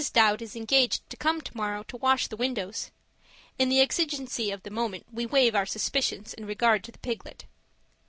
Dowd is engaged to come tomorrow to wash the windows (in the exigency of the moment, we waive our suspicions in regard to the piglet).